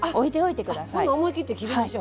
ほな思い切って切りましょう。